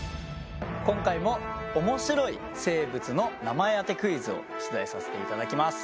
今回も面白い生物の名前当てクイズを出題させていただきます。